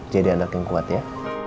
jadi anak yang kuat ya